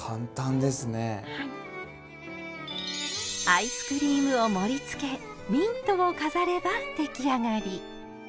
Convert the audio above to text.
アイスクリームを盛りつけミントを飾れば出来上がり！